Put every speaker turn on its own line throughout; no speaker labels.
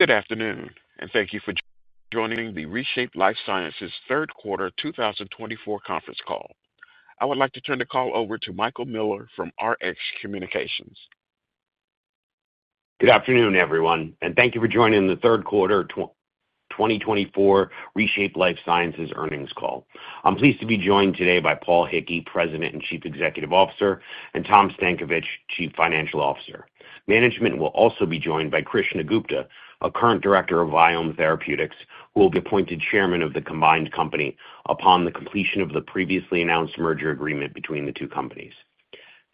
Good afternoon, and thank you for joining the ReShape Lifesciences third quarter 2024 conference call. I would like to turn the call over to Michael Miller from Rx Communications.
Good afternoon, everyone, and thank you for joining the third quarter 2024 ReShape Lifesciences earnings call. I'm pleased to be joined today by Paul Hickey, President and Chief Executive Officer, and Tom Stankovich, Chief Financial Officer. Management will also be joined by Krishna Gupta, a current Director of Vyome Therapeutics, who will be appointed Chairman of the combined company upon the completion of the previously announced merger agreement between the two companies.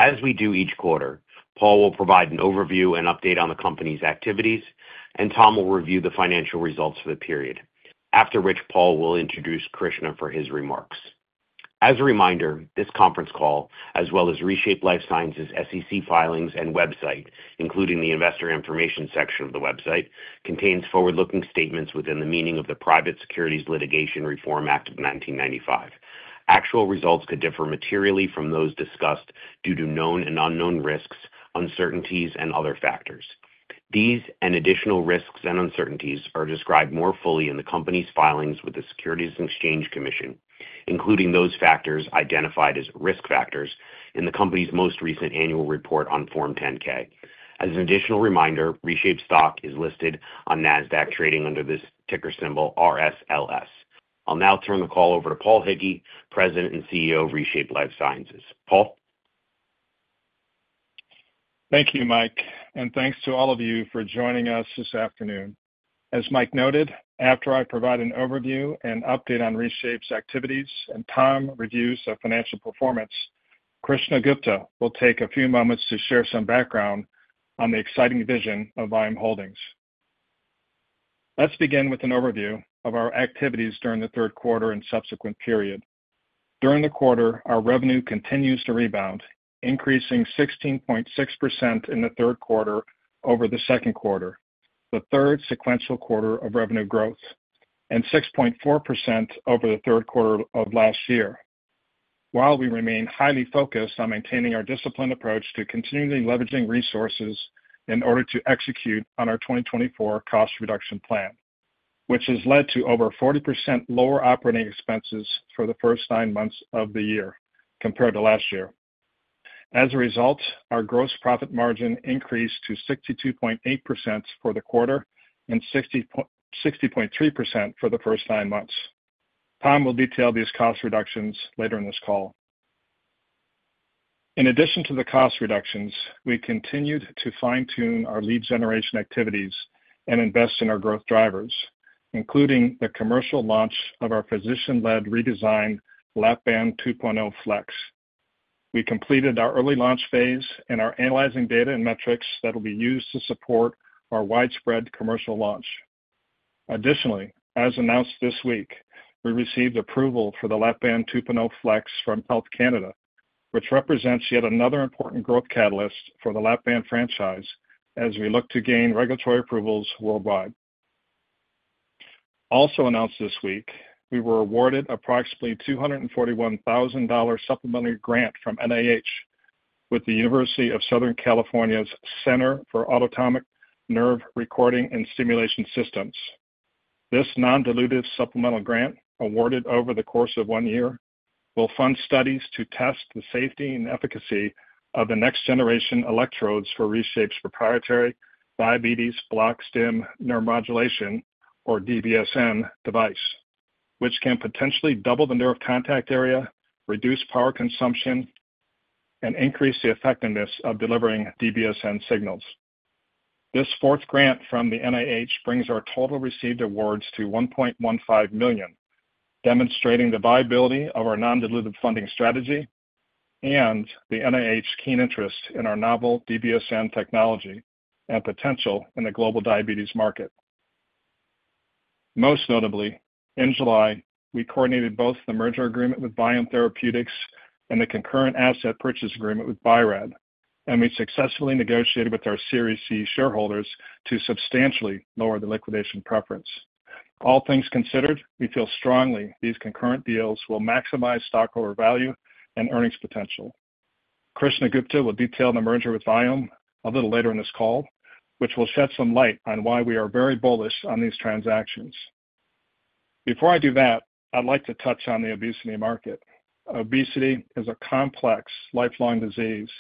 As we do each quarter, Paul will provide an overview and update on the company's activities, and Tom will review the financial results for the period, after which Paul will introduce Krishna for his remarks. As a reminder, this conference call, as well as ReShape Lifesciences SEC filings and website, including the investor information section of the website, contains forward-looking statements within the meaning of the Private Securities Litigation Reform Act of 1995. Actual results could differ materially from those discussed due to known and unknown risks, uncertainties, and other factors. These and additional risks and uncertainties are described more fully in the company's filings with the Securities and Exchange Commission, including those factors identified as risk factors in the company's most recent annual report on Form 10-K. As an additional reminder, ReShape stock is listed on NASDAQ trading under this ticker symbol RSLS. I'll now turn the call over to Paul Hickey, President and CEO of ReShape Lifesciences. Paul?
Thank you, Mike, and thanks to all of you for joining us this afternoon. As Mike noted, after I provide an overview and update on ReShape's activities and Tom's reviews of financial performance, Krishna Gupta will take a few moments to share some background on the exciting vision of Vyome Holdings. Let's begin with an overview of our activities during the third quarter and subsequent period. During the quarter, our revenue continues to rebound, increasing 16.6% in the third quarter over the second quarter, the third sequential quarter of revenue growth, and 6.4% over the third quarter of last year. While we remain highly focused on maintaining our disciplined approach to continually leveraging resources in order to execute on our 2024 cost reduction plan, which has led to over 40% lower operating expenses for the first nine months of the year compared to last year. As a result, our gross profit margin increased to 62.8% for the quarter and 60.3% for the first nine months. Tom will detail these cost reductions later in this call. In addition to the cost reductions, we continued to fine-tune our lead generation activities and invest in our growth drivers, including the commercial launch of our physician-led redesigned Lap-Band 2.0 FLEX. We completed our early launch phase and are analyzing data and metrics that will be used to support our widespread commercial launch. Additionally, as announced this week, we received approval for the Lap-Band 2.0 FLEX from Health Canada, which represents yet another important growth catalyst for the Lap-Band franchise as we look to gain regulatory approvals worldwide. Also announced this week, we were awarded approximately $241,000 supplementary grant from NIH with the University of Southern California's Center for Autonomic Nerve Recording and Stimulation Systems. This non-dilutive supplemental grant, awarded over the course of one year, will fund studies to test the safety and efficacy of the next-generation electrodes for ReShape's proprietary Diabetes Bloc-Stim Neuromodulation, or DBSN, device, which can potentially double the nerve contact area, reduce power consumption, and increase the effectiveness of delivering DBSN signals. This fourth grant from the NIH brings our total received awards to $1.15 million, demonstrating the viability of our non-dilutive funding strategy and the NIH's keen interest in our novel DBSN technology and potential in the global diabetes market. Most notably, in July, we coordinated both the merger agreement with Vyome Therapeutics and the concurrent asset purchase agreement with Biorad, and we successfully negotiated with our Series C shareholders to substantially lower the liquidation preference. All things considered, we feel strongly these concurrent deals will maximize shareholder value and earnings potential. Krishna Gupta will detail the merger with Vyome a little later in this call, which will shed some light on why we are very bullish on these transactions. Before I do that, I'd like to touch on the obesity market. Obesity is a complex, lifelong disease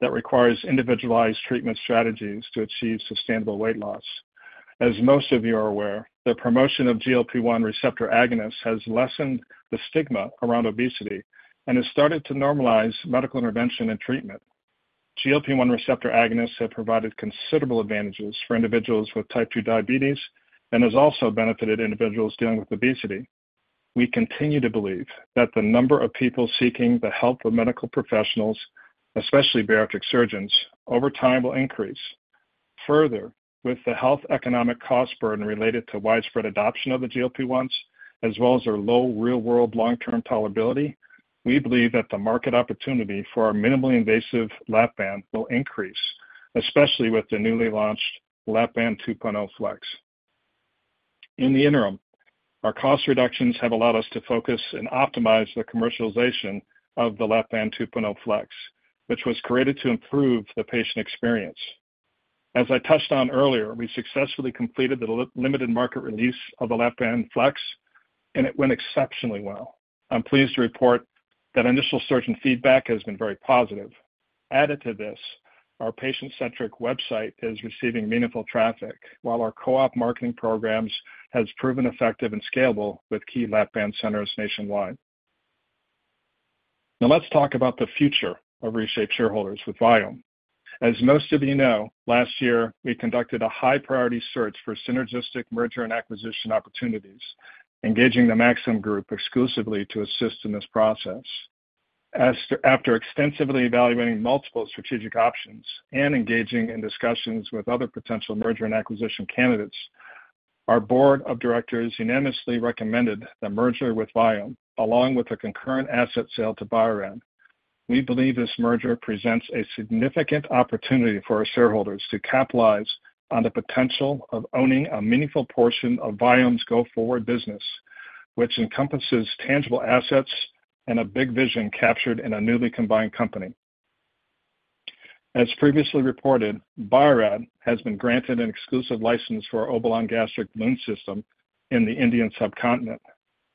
that requires individualized treatment strategies to achieve sustainable weight loss. As most of you are aware, the promotion of GLP-1 receptor agonists has lessened the stigma around obesity and has started to normalize medical intervention and treatment. GLP-1 receptor agonists have provided considerable advantages for individuals with Type 2 diabetes and have also benefited individuals dealing with obesity. We continue to believe that the number of people seeking the help of medical professionals, especially bariatric surgeons, over time will increase. Further, with the health economic cost burden related to widespread adoption of the GLP-1s, as well as our low real-world long-term tolerability, we believe that the market opportunity for our minimally invasive Lap-Band will increase, especially with the newly launched Lap-Band 2.0 FLEX. In the interim, our cost reductions have allowed us to focus and optimize the commercialization of the Lap-Band 2.0 FLEX, which was created to improve the patient experience. As I touched on earlier, we successfully completed the limited market release of the Lap-Band Flex, and it went exceptionally well. I'm pleased to report that initial surgeon feedback has been very positive. Added to this, our patient-centric website is receiving meaningful traffic, while our co-op marketing programs have proven effective and scalable with key Lap-Band centers nationwide. Now, let's talk about the future of ReShape shareholders with Vyome. As most of you know, last year, we conducted a high-priority search for synergistic merger and acquisition opportunities, engaging the Maxim Group exclusively to assist in this process. After extensively evaluating multiple strategic options and engaging in discussions with other potential merger and acquisition candidates, our Board of Directors unanimously recommended the merger with Vyome, along with a concurrent asset sale to Biorad. We believe this merger presents a significant opportunity for our shareholders to capitalize on the potential of owning a meaningful portion of Vyome's go-forward business, which encompasses tangible assets and a big vision captured in a newly combined company. As previously reported, Biorad has been granted an exclusive license for our Obalon gastric balloon system in the Indian subcontinent.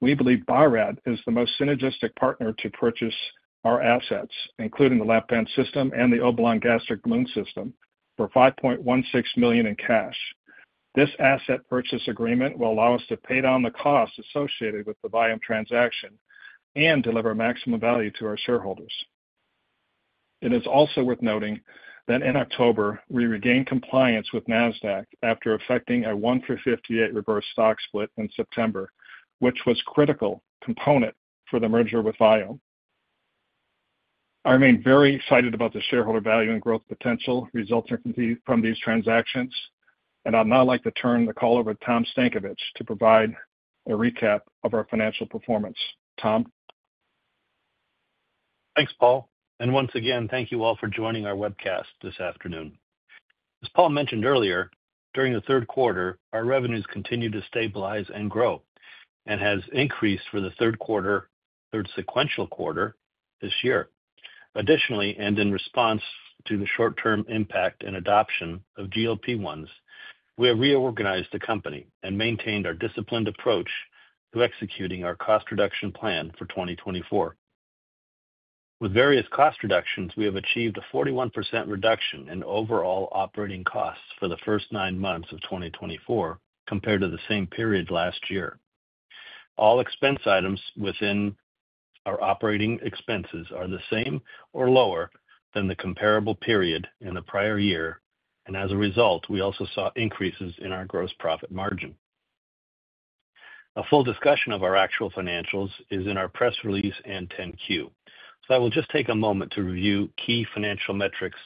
We believe Biorad is the most synergistic partner to purchase our assets, including the Lap-Band system and the Obalon gastric balloon system, for $5.16 million in cash. This asset purchase agreement will allow us to pay down the cost associated with the Vyome transaction and deliver maximum value to our shareholders. It is also worth noting that in October, we regained compliance with Nasdaq after effecting a 1-for-58 reverse stock split in September, which was a critical component for the merger with Vyome. I remain very excited about the shareholder value and growth potential resulting from these transactions, and I'd now like to turn the call over to Tom Stankovich to provide a recap of our financial performance. Tom?
Thanks, Paul. And once again, thank you all for joining our webcast this afternoon. As Paul mentioned earlier, during the third quarter, our revenues continued to stabilize and grow and have increased for the third quarter, third sequential quarter this year. Additionally, and in response to the short-term impact and adoption of GLP-1s, we have reorganized the company and maintained our disciplined approach to executing our cost reduction plan for 2024. With various cost reductions, we have achieved a 41% reduction in overall operating costs for the first nine months of 2024 compared to the same period last year. All expense items within our operating expenses are the same or lower than the comparable period in the prior year, and as a result, we also saw increases in our gross profit margin. A full discussion of our actual financials is in our press release and 10-Q, so I will just take a moment to review key financial metrics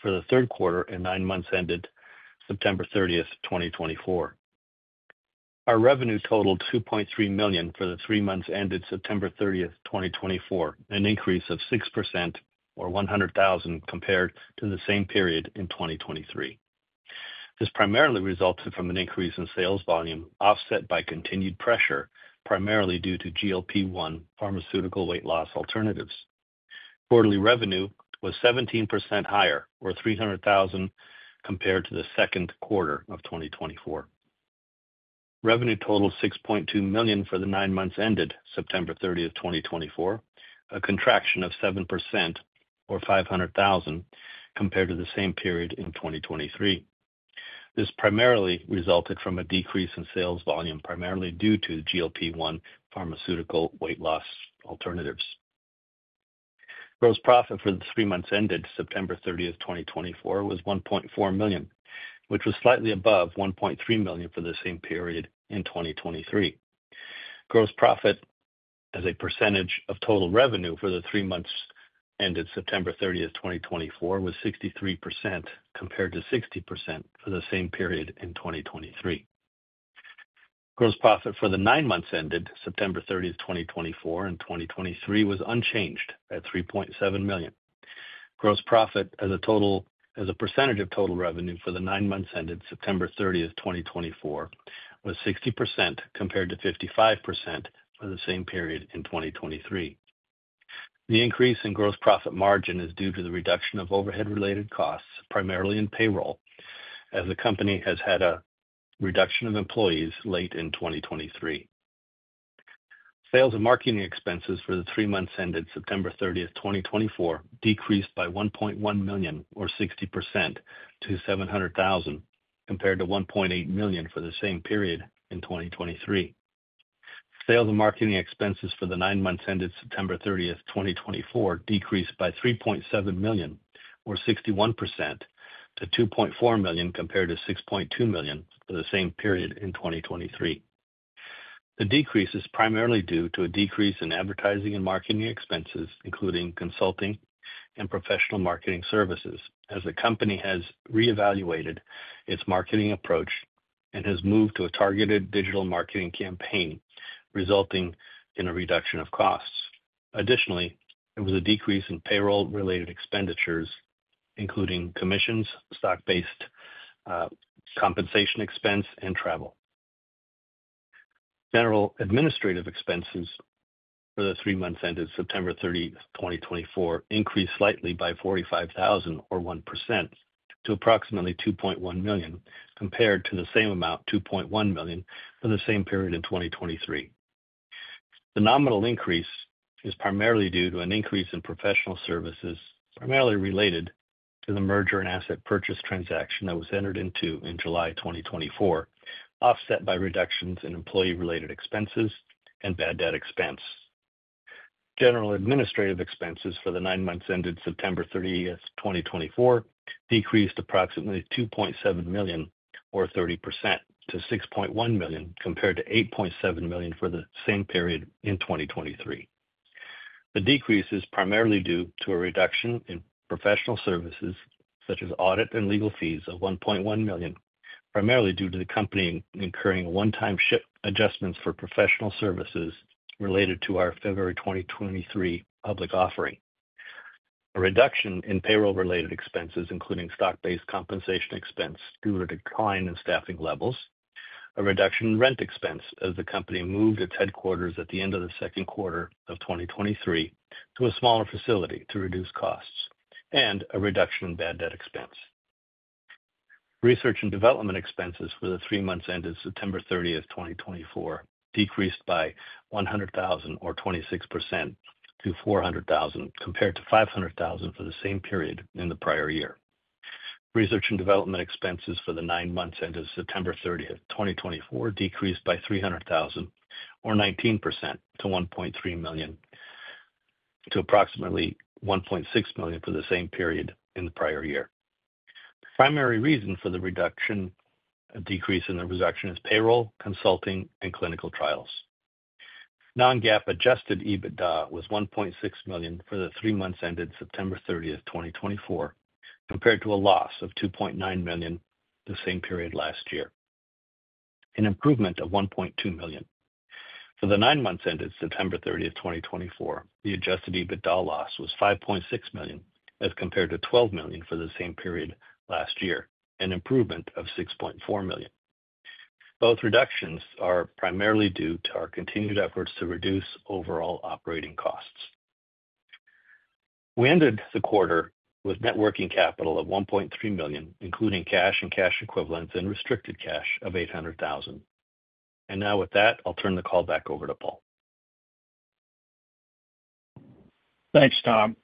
for the third quarter and nine months ended September 30, 2024. Our revenue totaled $2.3 million for the three months ended September 30, 2024, an increase of 6% or $100,000 compared to the same period in 2023. This primarily resulted from an increase in sales volume offset by continued pressure, primarily due to GLP-1 pharmaceutical weight loss alternatives. Quarterly revenue was 17% higher, or $300,000, compared to the second quarter of 2024. Revenue totaled $6.2 million for the nine months ended September 30, 2024, a contraction of 7% or $500,000 compared to the same period in 2023. This primarily resulted from a decrease in sales volume, primarily due to GLP-1 pharmaceutical weight loss alternatives. Gross profit for the three months ended September 30, 2024, was $1.4 million, which was slightly above $1.3 million for the same period in 2023. Gross profit as a percentage of total revenue for the three months ended September 30, 2024, was 63% compared to 60% for the same period in 2023. Gross profit for the nine months ended September 30, 2024, and 2023 was unchanged at $3.7 million. Gross profit as a percentage of total revenue for the nine months ended September 30, 2024, was 60% compared to 55% for the same period in 2023. The increase in gross profit margin is due to the reduction of overhead-related costs, primarily in payroll, as the company has had a reduction of employees late in 2023. Sales and marketing expenses for the three months ended September 30, 2024, decreased by $1.1 million, or 60%, to $700,000, compared to $1.8 million for the same period in 2023. Sales and marketing expenses for the nine months ended September 30, 2024, decreased by $3.7 million, or 61%, to $2.4 million compared to $6.2 million for the same period in 2023. The decrease is primarily due to a decrease in advertising and marketing expenses, including consulting and professional marketing services, as the company has reevaluated its marketing approach and has moved to a targeted digital marketing campaign, resulting in a reduction of costs. Additionally, there was a decrease in payroll-related expenditures, including commissions, stock-based compensation expense, and travel. General administrative expenses for the three months ended September 30, 2024, increased slightly by $45,000, or 1%, to approximately $2.1 million, compared to the same amount, $2.1 million, for the same period in 2023. The nominal increase is primarily due to an increase in professional services, primarily related to the merger and asset purchase transaction that was entered into in July 2024, offset by reductions in employee-related expenses and bad debt expense. General administrative expenses for the nine months ended September 30, 2024, decreased approximately $2.7 million, or 30%, to $6.1 million, compared to $8.7 million for the same period in 2023. The decrease is primarily due to a reduction in professional services, such as audit and legal fees, of $1.1 million, primarily due to the company incurring one-time expense adjustments for professional services related to our February 2023 public offering. A reduction in payroll-related expenses, including stock-based compensation expense, due to a decline in staffing levels, a reduction in rent expense as the company moved its headquarters at the end of the second quarter of 2023 to a smaller facility to reduce costs, and a reduction in bad debt expense. Research and development expenses for the three months ended September 30, 2024, decreased by $100,000, or 26%, to $400,000, compared to $500,000 for the same period in the prior year. Research and development expenses for the nine months ended September 30, 2024, decreased by $300,000, or 19%, to $1.3 million compared to approximately $1.6 million for the same period in the prior year. The primary reason for the decrease is the reduction in payroll, consulting, and clinical trials. Non-GAAP adjusted EBITDA was $1.6 million for the three months ended September 30, 2024, compared to a loss of $2.9 million the same period last year, an improvement of $1.2 million. For the nine months ended September 30, 2024, the adjusted EBITDA loss was $5.6 million, as compared to $12 million for the same period last year, an improvement of $6.4 million. Both reductions are primarily due to our continued efforts to reduce overall operating costs. We ended the quarter with net working capital of $1.3 million, including cash and cash equivalents and restricted cash of $800,000, and now, with that, I'll turn the call back over to Paul.
Thanks, Tom.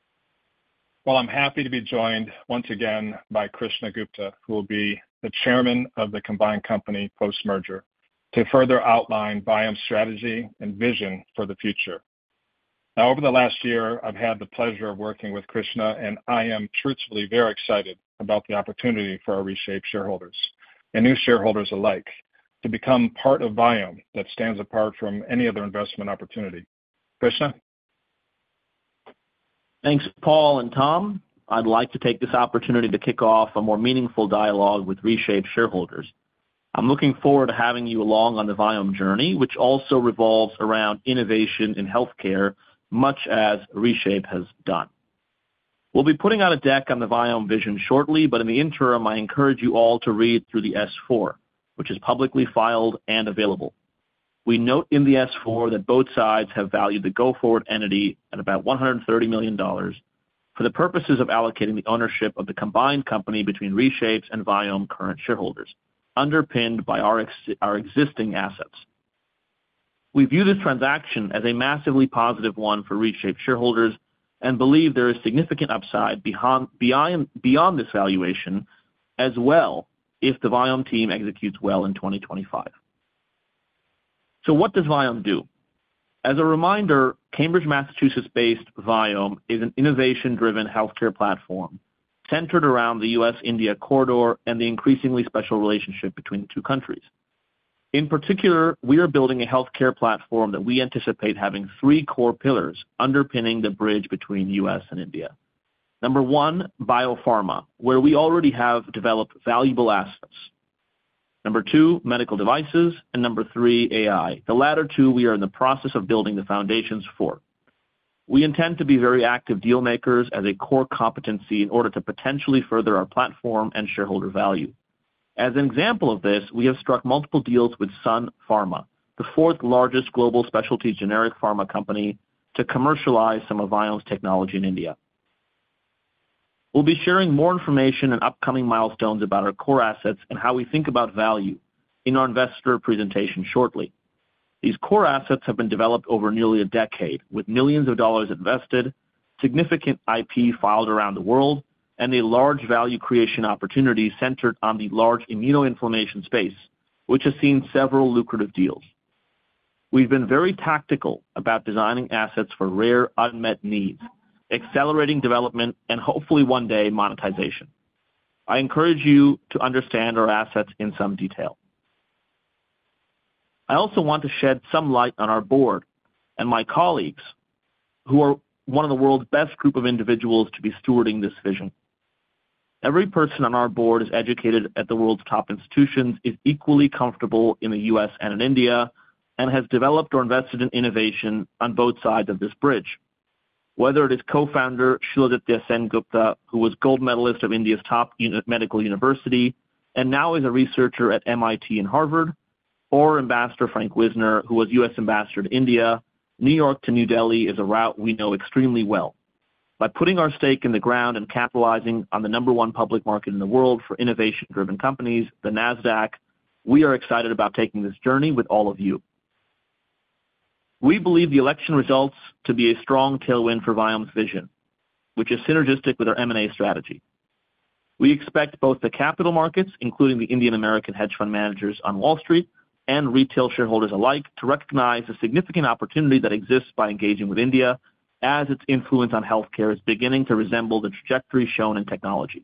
I'm happy to be joined once again by Krishna Gupta, who will be the Chairman of the combined company post-merger, to further outline Vyome's strategy and vision for the future. Now, over the last year, I've had the pleasure of working with Krishna, and I am truthfully very excited about the opportunity for our ReShape shareholders and new shareholders alike to become part of Vyome that stands apart from any other investment opportunity. Krishna?
Thanks, Paul and Tom. I'd like to take this opportunity to kick off a more meaningful dialogue with ReShape shareholders. I'm looking forward to having you along on the Vyome journey, which also revolves around innovation in healthcare, much as ReShape has done. We'll be putting out a deck on the Vyome vision shortly, but in the interim, I encourage you all to read through the S-4, which is publicly filed and available. We note in the S-4 that both sides have valued the go-forward entity at about $130 million for the purposes of allocating the ownership of the combined company between ReShape's and Vyome's current shareholders, underpinned by our existing assets. We view this transaction as a massively positive one for ReShape shareholders and believe there is significant upside beyond this valuation as well if the Vyome team executes well in 2025. So what does Vyome do? As a reminder, Cambridge, Massachusetts-based Vyome is an innovation-driven healthcare platform centered around the U.S.-India corridor and the increasingly special relationship between the two countries. In particular, we are building a healthcare platform that we anticipate having three core pillars underpinning the bridge between the U.S. and India. Number one, biopharma, where we already have developed valuable assets. Number two, medical devices, and number three, AI. The latter two, we are in the process of building the foundations for. We intend to be very active dealmakers as a core competency in order to potentially further our platform and shareholder value. As an example of this, we have struck multiple deals with Sun Pharma, the fourth-largest global specialty generic pharma company, to commercialize some of Vyome's technology in India. We'll be sharing more information and upcoming milestones about our core assets and how we think about value in our investor presentation shortly. These core assets have been developed over nearly a decade, with millions of dollars invested, significant IP filed around the world, and a large value creation opportunity centered on the large immunoinflammation space, which has seen several lucrative deals. We've been very tactical about designing assets for rare, unmet needs, accelerating development, and hopefully one day monetization. I encourage you to understand our assets in some detail. I also want to shed some light on our board and my colleagues, who are one of the world's best group of individuals to be stewarding this vision. Every person on our board is educated at the world's top institutions, is equally comfortable in the U.S. and in India, and has developed or invested in innovation on both sides of this bridge. Whether it is co-founder Shiladitya Sengupta, who was gold medalist of India's top medical university and now is a researcher at MIT and Harvard, or Ambassador Frank Wisner, who was U.S. Ambassador to India. New York to New Delhi is a route we know extremely well. By putting our stake in the ground and capitalizing on the number one public market in the world for innovation-driven companies, the Nasdaq, we are excited about taking this journey with all of you. We believe the election results to be a strong tailwind for Vyome's vision, which is synergistic with our M&A strategy. We expect both the capital markets, including the Indian American hedge fund managers on Wall Street and retail shareholders alike, to recognize the significant opportunity that exists by engaging with India, as its influence on healthcare is beginning to resemble the trajectory shown in technology.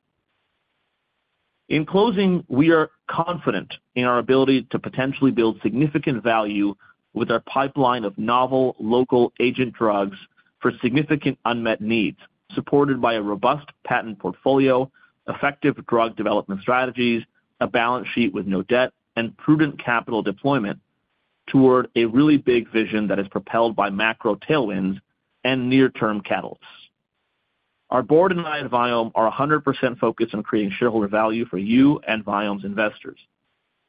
In closing, we are confident in our ability to potentially build significant value with our pipeline of novel local agent drugs for significant unmet needs, supported by a robust patent portfolio, effective drug development strategies, a balance sheet with no debt, and prudent capital deployment toward a really big vision that is propelled by macro tailwinds and near-term catalysts. Our board and I at Vyome are 100% focused on creating shareholder value for you and Vyome's investors.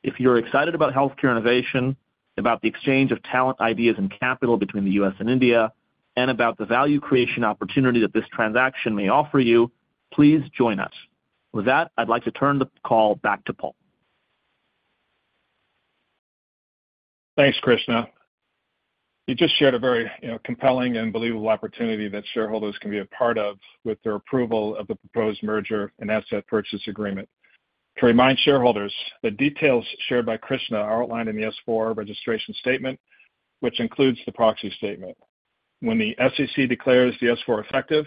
If you're excited about healthcare innovation, about the exchange of talent, ideas, and capital between the U.S. and India, and about the value creation opportunity that this transaction may offer you, please join us. With that, I'd like to turn the call back to Paul.
Thanks, Krishna. You just shared a very compelling and believable opportunity that shareholders can be a part of with their approval of the proposed merger and asset purchase agreement. To remind shareholders, the details shared by Krishna are outlined in the S-4 registration statement, which includes the proxy statement. When the SEC declares the S-4 effective,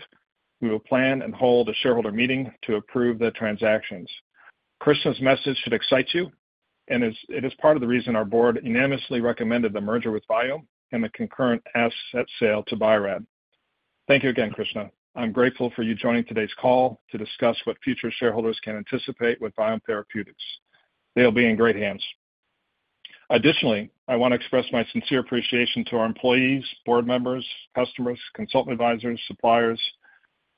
we will plan and hold a shareholder meeting to approve the transactions. Krishna's message should excite you, and it is part of the reason our board unanimously recommended the merger with Vyome and the concurrent asset sale to Biorad. Thank you again, Krishna. I'm grateful for you joining today's call to discuss what future shareholders can anticipate with Vyome Therapeutics. They'll be in great hands. Additionally, I want to express my sincere appreciation to our employees, board members, customers, consultant advisors, suppliers,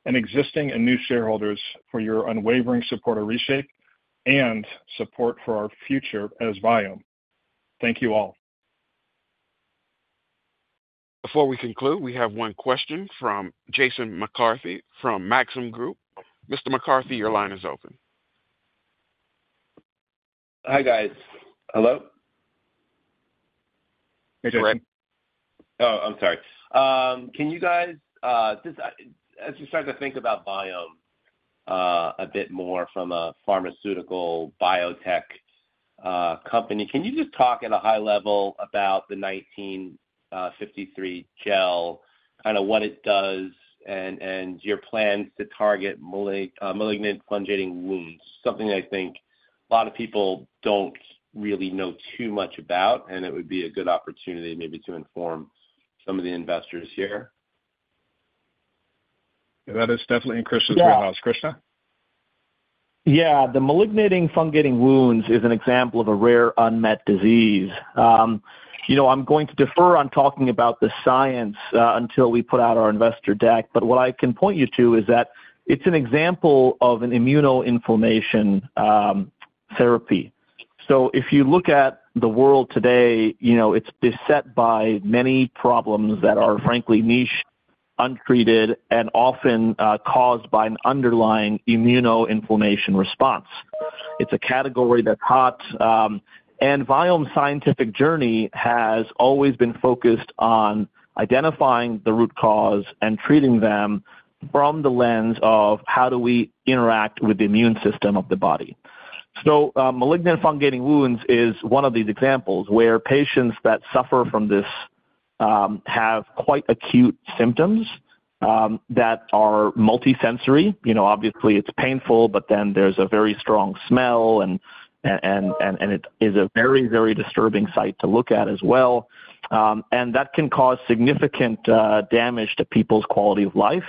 and existing and new shareholders for your unwavering support of ReShape and support for our future as Vyome. Thank you all. Before we conclude, we have one question from Jason McCarthy from Maxim Group. Mr. McCarthy, your line is open.
Hi, guys. Hello?
Hey, Jason.
Oh, I'm sorry. Can you guys, as you start to think about Vyome a bit more from a pharmaceutical biotech company, can you just talk at a high level about the 1953 Gel, kind of what it does, and your plans to target malignant fungating wounds, something I think a lot of people don't really know too much about, and it would be a good opportunity maybe to inform some of the investors here?
That is definitely in Krishna's wheelhouse. Krishna?
Yeah. The malignant fungating wounds is an example of a rare, unmet disease. I'm going to defer on talking about the science until we put out our investor deck, but what I can point you to is that it's an example of an immunoinflammation therapy. So if you look at the world today, it's beset by many problems that are, frankly, niche, untreated, and often caused by an underlying immunoinflammation response. It's a category that's hot. And Vyome's scientific journey has always been focused on identifying the root cause and treating them from the lens of how do we interact with the immune system of the body. So malignant fungating wounds is one of these examples where patients that suffer from this have quite acute symptoms that are multisensory. Obviously, it's painful, but then there's a very strong smell, and it is a very, very disturbing sight to look at as well. And that can cause significant damage to people's quality of life.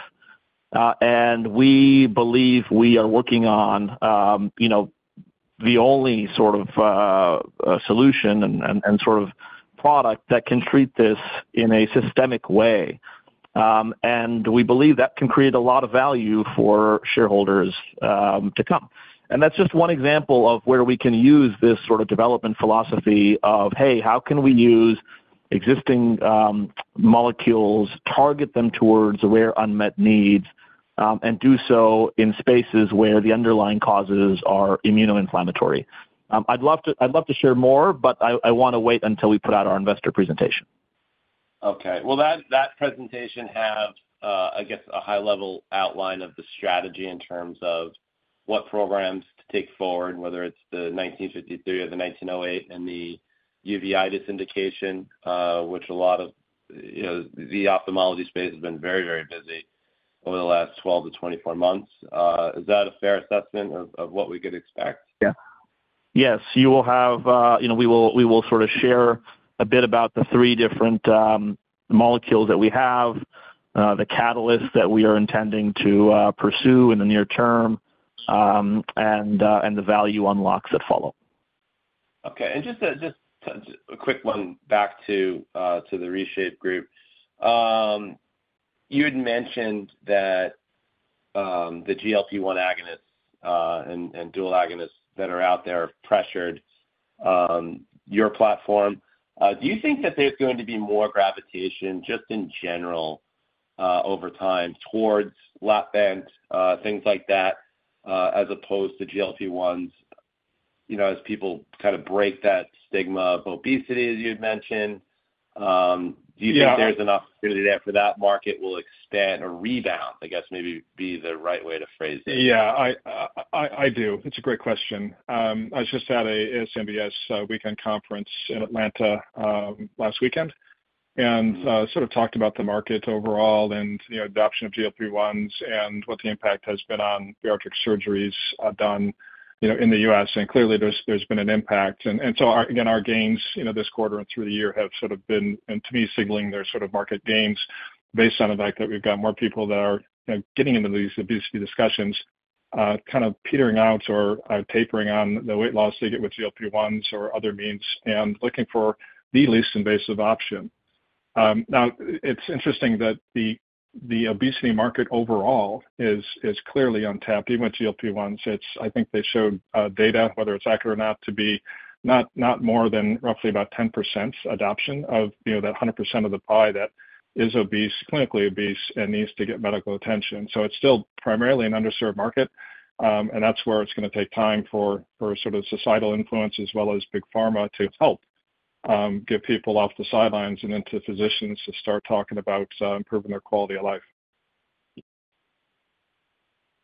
And we believe we are working on the only sort of solution and sort of product that can treat this in a systemic way. And we believe that can create a lot of value for shareholders to come. And that's just one example of where we can use this sort of development philosophy of, hey, how can we use existing molecules, target them towards rare, unmet needs, and do so in spaces where the underlying causes are immunoinflammatory? I'd love to share more, but I want to wait until we put out our investor presentation.
Okay. Will that presentation have, I guess, a high-level outline of the strategy in terms of what programs to take forward, whether it's the 1953 or the 1908 and the uveitis indication, which a lot of the ophthalmology space has been very, very busy over the last 12 to 24 months? Is that a fair assessment of what we could expect?
Yeah. Yes. We will sort of share a bit about the three different molecules that we have, the catalysts that we are intending to pursue in the near term, and the value unlocks that follow.
Okay, and just a quick one back to the ReShape Lifesciences. You had mentioned that the GLP-1 agonists and dual agonists that are out there are pressured. Your platform, do you think that there's going to be more gravitation just in general over time towards lap bands, things like that, as opposed to GLP-1s as people kind of break that stigma of obesity, as you had mentioned? Do you think there's an opportunity there for that market will expand or rebound? I guess maybe be the right way to phrase it.
Yeah. I do. It's a great question. I just had an ASMBS weekend conference in Atlanta last weekend and sort of talked about the market overall and the adoption of GLP-1s and what the impact has been on bariatric surgeries done in the U.S. And clearly, there's been an impact. And so again, our gains this quarter and through the year have sort of been, to me, signaling their sort of market gains based on the fact that we've got more people that are getting into these obesity discussions, kind of petering out or tapering on the weight loss they get with GLP-1s or other means and looking for the least invasive option. Now, it's interesting that the obesity market overall is clearly untapped, even with GLP-1s. I think they showed data, whether it's accurate or not, to be not more than roughly about 10% adoption of that 100% of the pie that is obese, clinically obese, and needs to get medical attention. So it's still primarily an underserved market, and that's where it's going to take time for sort of societal influence as well as big pharma to help get people off the sidelines and into physicians to start talking about improving their quality of life.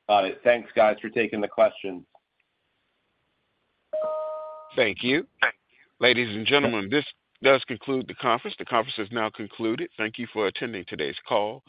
Got it. Thanks, guys, for taking the questions.
Thank you. Ladies and gentlemen, this does conclude the conference. The conference has now concluded. Thank you for attending today's call.